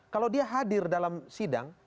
kalau dia hadir dalam sidang